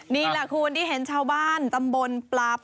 นี่แหละคุณที่เห็นชาวบ้านตำบลปราบ